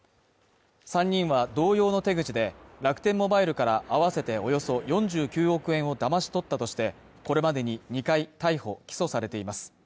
３人は同様の手口で、楽天モバイルから合わせておよそ４９億円をだまし取ったとして、これまでに２回逮捕起訴されています。